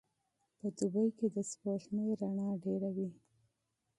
په دوبي کي د سپوږمۍ رڼا ډېره وي.